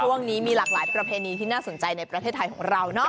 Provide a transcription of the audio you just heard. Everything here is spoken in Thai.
ช่วงนี้มีหลากหลายประเพณีที่น่าสนใจในประเทศไทยของเราเนาะ